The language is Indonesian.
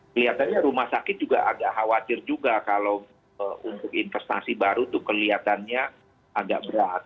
kelihatannya rumah sakit juga agak khawatir juga kalau untuk investasi baru itu kelihatannya agak berat